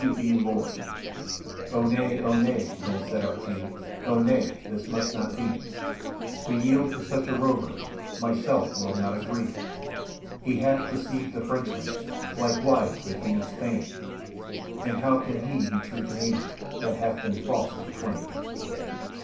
LORD O nay, O nay, then said our King, O nay, this must not be, To yield to such a rover Myself will not agree; He hath deceived the Frenchman, Likewise the King of Spain, And how can he be true to me, That hath been false to twain?